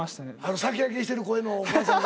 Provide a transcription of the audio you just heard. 酒焼けしてる声のお母さんが。